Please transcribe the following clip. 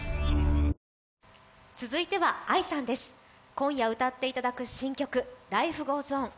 今夜、歌っていただく新曲「Ｌｉｆｅｇｏｅｓｏｎ」